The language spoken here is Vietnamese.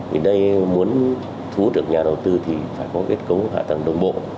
vì đây muốn thú được nhà đầu tư thì phải có kết cấu hạ tầng đồng bộ